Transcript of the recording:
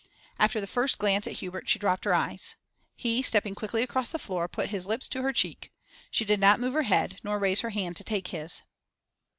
After the first glance at Hubert she dropped her eyes. He, stepping quickly across the floor, put his lips to her cheek; she did not move her head, nor raise her hand to take his.